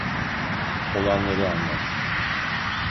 Olanları anlat.